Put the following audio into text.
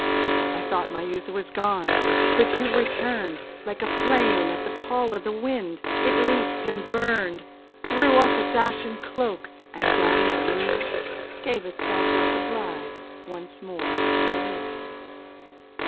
I thought my youth was gone, But you returned, Like a flame at the call of the wind It leaped and burned; Threw off its ashen cloak, And gowned anew Gave itself like a bride Once more to you.